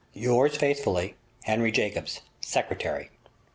Yours faithfully, Henry Jacobs, Secretary.